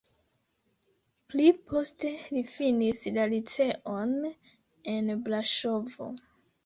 Pli poste li finis la liceon en Braŝovo.